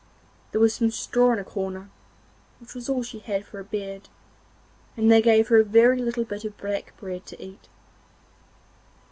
There was some straw in a corner, which was all she had for a bed, and they gave her a very little bit of black bread to eat.